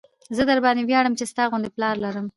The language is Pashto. زه درباندې وياړم چې ستا غوندې پلار لرم.